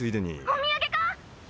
お土産か！？